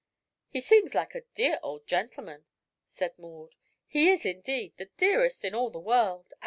"He seems like a dear old gentleman," said Maud. "He is, indeed, the dearest in all the world.